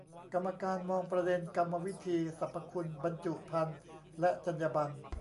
กรรมการมองประเด็นกรรมวิธี สรรพคุณ บรรจุภัณฑ์ และจรรยาบรรณ